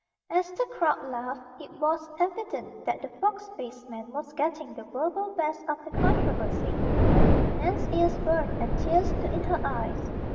As the crowd laughed it was evident that the fox faced man was getting the verbal best of the controversy. Nan's ears burned and tears stood in her eyes.